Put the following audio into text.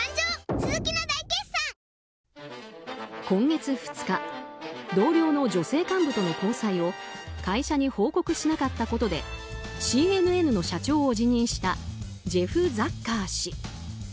今月２日同僚の女性幹部との交際を会社に報告しなかったことでＣＮＮの社長を辞任したジェフ・ザッカー氏。